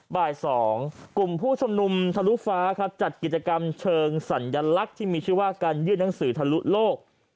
บ่าย๒กลุ่มผู้ชุมนุมทะลุฟ้าครับจัดกิจกรรมเชิงสัญลักษณ์ที่มีชื่อว่าการยื่นหนังสือทะลุโลก